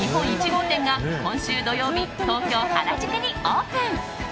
１号店が今週土曜日東京・原宿にオープン。